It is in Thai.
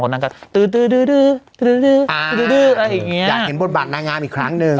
กว่านางงามอ่าอย่างเงี้ยอยากเห็นบทบาทนางงามอีกครั้งหนึ่ง